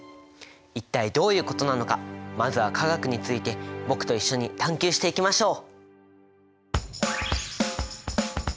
一体どういうことなのかまずは化学について僕と一緒に探究していきましょう！